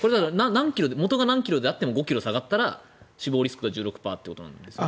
元が何キロであっても５ｋｇ下がったら死亡リスクが１６％ということですか？